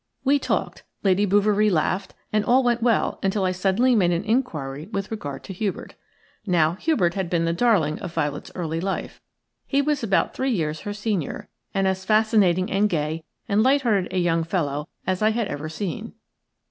We talked, Lady Bouverie laughed, and all went well until I suddenly made an inquiry with regard to Hubert. Now, Hubert had been the darling of Violet's early life. He was about three years her senior, and as fascinating and gay and light hearted a young fellow as I had ever seen.